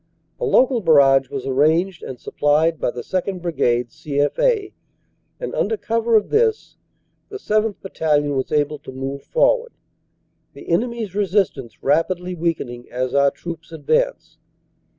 A local barrage was arranged and supplied by the 2nd. Brigade, C.F.A., and under cover of this the 7th. Battalion was able to move forward, the enemy s resistance rapidly weakening as our troops advanced.